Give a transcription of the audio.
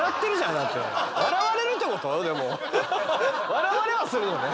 笑われはするのね。